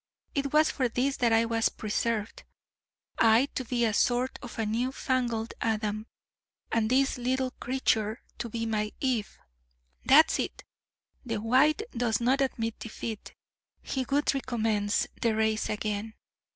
it was for this that I was preserved: I to be a sort of new fangled Adam and this little creature to be my Eve! That is it! The White does not admit defeat: he would recommence the Race again!